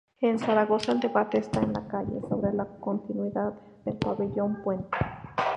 En Zaragoza el debate está en la calle sobre la continuidad del Pabellón Puente.